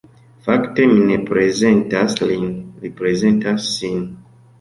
Fakte, mi ne prezentas lin, li prezentas sin.